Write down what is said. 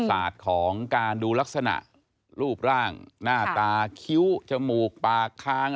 ศาสตร์ของการดูลักษณะรูปร่างหน้าตาคิ้วจมูกปากค้าง